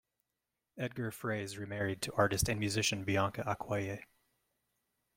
Edgar Froese remarried to artist and musician Bianca Acquaye.